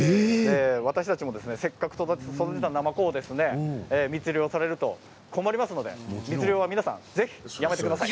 私たちもせっかく育てたなまこを密漁されると困りますので密漁は皆さんぜひやめてください。